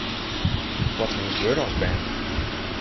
Wat woest wurde as bern?